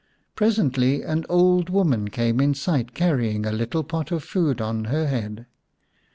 Presently an old woman came in sight carrying a little pot of food on her head.